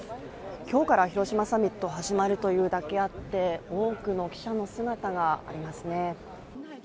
今日から広島サミット始まるというだけあって多くの記者の姿がありますね。